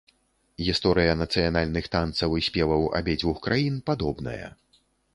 Гісторыя нацыянальных танцаў і спеваў абедзвюх краін падобная.